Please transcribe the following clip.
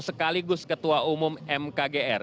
sekaligus ketua umum mkgr